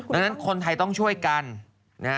ดังนั้นคนไทยต้องช่วยกันนะฮะ